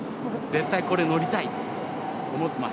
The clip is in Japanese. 絶対これ乗りたいと思ってま